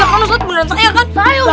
ya kan ustadz beneran saya kan